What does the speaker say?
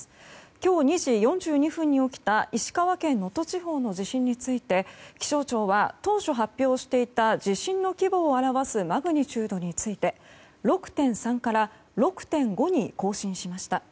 今日２時４２分に起きた石川県能登地方の地震について気象庁は当初発表していた地震の規模を表すマグニチュードについて６．３から６．５に更新しました。